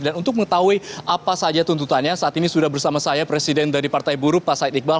dan untuk mengetahui apa saja tuntutannya saat ini sudah bersama saya presiden dari partai buruh pak said iqbal